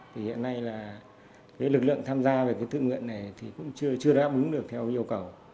thì hiện nay lực lượng tham gia về tự nguyện này cũng chưa đáp ứng được theo yêu cầu